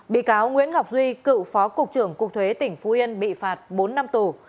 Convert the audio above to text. bị cáo nguyễn ngọc duy cựu phó cục trưởng cục thuế tỉnh phú yên bị phạt bốn năm tù